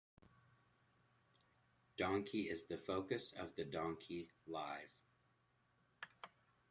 Donkey is the focus of the Donkey Live!